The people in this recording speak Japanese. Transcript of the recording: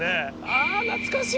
あ懐かしい！